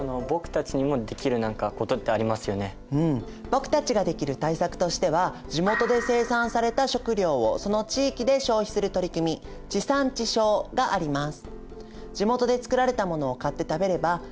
僕たちができる対策としては地元で生産された食料をその地域で消費する取り組み「地産地消」があります。